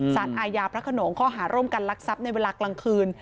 สารอาญาพระขนงข้อหาร่วมกันลักทรัพย์ในเวลากลางคืน